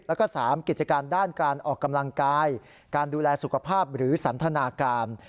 แล้วก็๓กิจการด้านการออกกำลังกายการดูแลสุขภาพหรือสันทนาการ